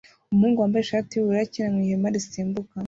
Umuhungu wambaye ishati yubururu akina mu ihema risimbuka